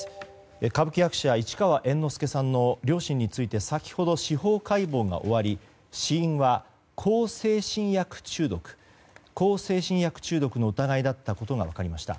歌舞伎役者・市川猿之助さんの両親について先ほど司法解剖が終わり死因は向精神薬中毒の疑いだったことが分かりました。